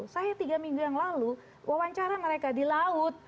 saya tiga minggu yang lalu wawancara mereka di laut